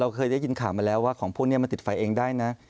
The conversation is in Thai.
เคยได้ยินข่าวมาแล้วว่าของพวกนี้มันติดไฟเองได้นะ